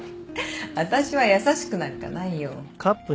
私は優しくなんかないよ。